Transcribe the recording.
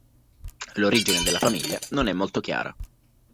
L'origine della famiglia non è molto chiara.